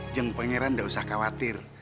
jeng pangeran tidak usah khawatir